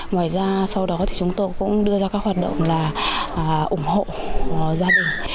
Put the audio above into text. ngoài ra sau đó thì chúng tôi cũng đưa ra các hoạt động là ủng hộ gia đình